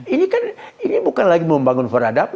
ini kan bukan lagi membangun peradaban